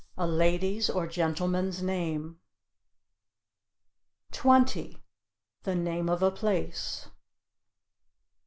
"A lady's or gentleman's name." 20. "The name of a place."